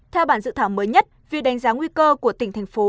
theo bản dự thảo mới nhất việc đánh giá nguy cơ của tỉnh thành phố